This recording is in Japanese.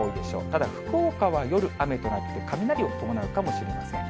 ただ、福岡は夜、雨となって、雷を伴うかもしれません。